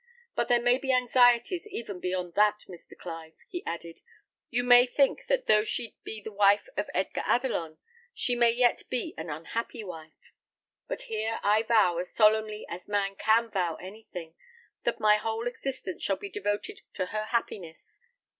"But there may be anxieties even beyond that, Mr. Clive," he added. "You may think that though she be the wife of Edgar Adelon, she may yet be an unhappy wife; but here I vow, as solemnly as man can vow anything, that my whole existence shall be devoted to her happiness.